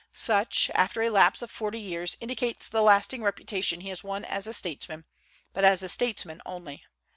Such, after a lapse of forty years, indicates the lasting reputation he has won as a statesman; but as a statesman only.